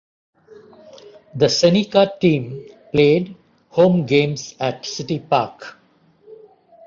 The Seneca team played home games at City Park.